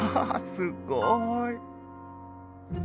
すごい！